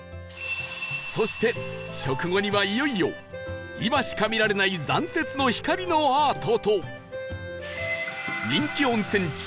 そして食後にはいよいよ今しか見られない残雪の光のアートと人気温泉地